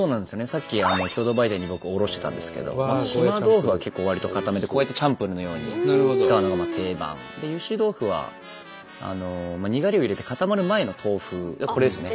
さっき共同売店に僕卸してたんですけど島豆腐は結構わりとかためでこうやってチャンプルーのように使うのが定番。でゆし豆腐はにがりを入れて固まる前の豆腐これですね。